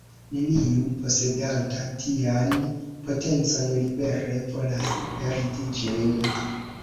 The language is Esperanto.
Neniu, posedanta tian potencon, libere volas perdi ĝin.